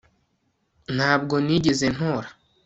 ntabwo nigeze ntora